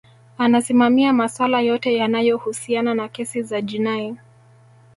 anasimamia maswala yote yanayohusiana na kesi za jinai